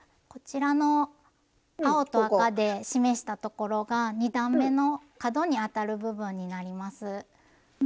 こちらの青と赤で示したところが２段めの角にあたる部分になります。